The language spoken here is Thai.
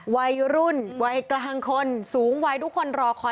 วัยรุ่นวัยกลางคนสูงวัยทุกคนรอคอย